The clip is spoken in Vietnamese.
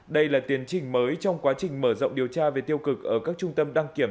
đây là tiến trình mới trong quá trình mở rộng điều tra về tiêu cực ở các trung tâm đăng kiểm